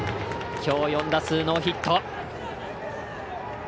きょう４打数ノーヒット。